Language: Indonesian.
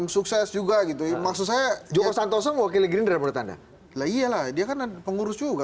sukses juga gitu maksud saya joko santoso wakil legenda bertanda lah iyalah dia kan pengurus juga